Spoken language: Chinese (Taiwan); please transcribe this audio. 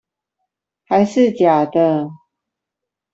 還是假的